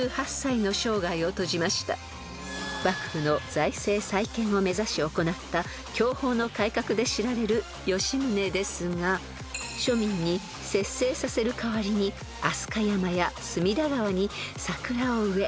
［幕府の財政再建を目指し行った享保の改革で知られる吉宗ですが庶民に節制させる代わりに飛鳥山や隅田川に桜を植え